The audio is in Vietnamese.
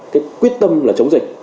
cái quyết tâm là chống dịch